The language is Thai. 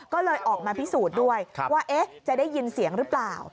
ก็เลยออกมาพิสูจน์ด้วยว่าจะได้ยินเสียงหรือเปล่า